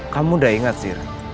kamu tidak ingat sir